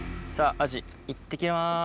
アジいってきます。